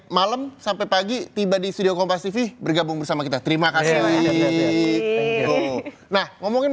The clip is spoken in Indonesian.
malam sampai pagi tiba di studio kompas tv bergabung bersama kita terima kasih nah ngomongin